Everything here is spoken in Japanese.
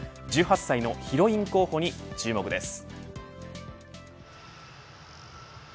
１８歳のヒロイン候補に注目です。